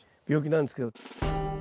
病気なんですけど。